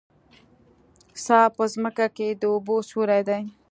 څا په ځمکه کې د اوبو سوری دی